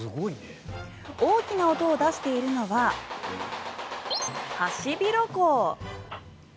大きな音を出しているのはハシビロコウ。